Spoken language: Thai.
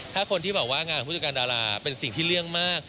ถ้าคนที่บอกว่างานของผู้จัดการดาราเป็นสิ่งที่เลี่ยงมาก